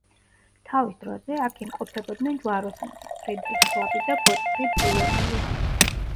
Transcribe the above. თავის დროზე აქ იმყოფებოდნენ ჯვაროსნები ფრიდრიხ შვაბი და გოტფრიდ ბულონელი.